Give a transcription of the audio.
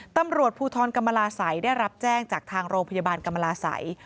ตำรวจภูทรกรรมลาศัยได้รับแจ้งจากทางโรงพยาบาลกรรมลาศัย